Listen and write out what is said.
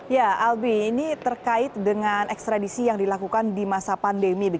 ya albi ini terkait dengan ekstradisi yang dilakukan di masa pandemi